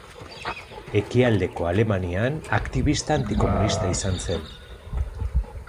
Ekialdeko Alemanian aktibista antikomunista izan zen.